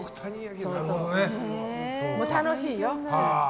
楽しいよ。